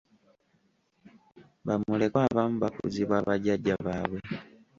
Bamulekwa abamu bakuzibwa bajjajja baabwe.